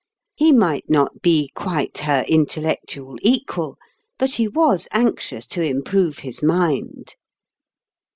]Ie might not be quite her intellectual equal, but he was anx ious to improve his mind.